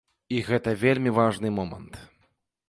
І гэта вельмі важны момант.